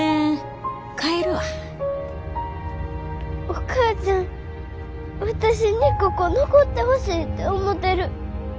お母ちゃん私にここ残ってほしいて思てる。